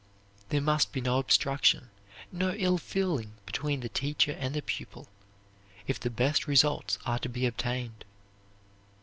There must be no obstruction, no ill feeling between the teacher and the pupil, if the best results are to be obtained.